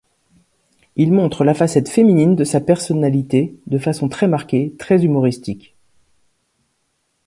Il montre la facette féminine de sa personnalité de façon très marquée, très humoristique.